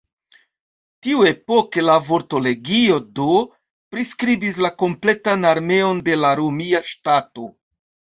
Tiuepoke la vorto "legio" do priskribis la kompletan armeon de la romia ŝtato.